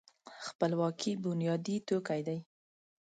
خپلواکي بنیادي توکی دی.